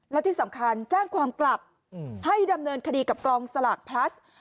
และที่สำคัญแจ้งความกลับให้ดำเนินคดีกับกองสลากพลัส